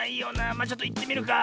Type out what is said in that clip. まあちょっといってみるか。